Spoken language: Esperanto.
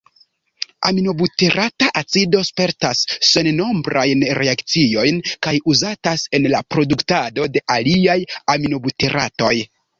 Aminobuterata acido spertas sennombrajn reakciojn kaj uzatas en la produktado de aliaj aminobuteratoj.